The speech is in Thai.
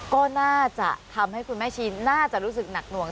ก็น่าจะทำให้คุณแม่ชีน่าจะรู้สึกหนักหน่วง